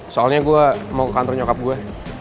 soalnya gue mau kantor nyokap gue